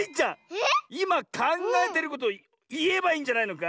いまかんがえてることをいえばいいんじゃないのか？